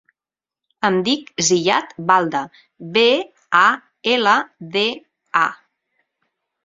Em dic Ziyad Balda: be, a, ela, de, a.